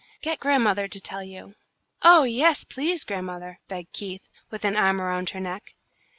Get grandmother to tell you." "Oh, yes, please, grandmother," begged Keith, with an arm around her neck.